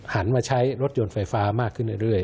หันมาใช้รถยนต์ไฟฟ้ามากขึ้นเรื่อย